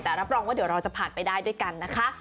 แต่รับรองว่าเดี๋ยวเราจะผ่านไปได้ด้วยกันนะคะ